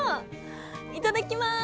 いただきます！